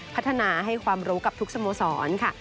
พัฒนาให้ความรู้กับทุกสโมสรค่ะ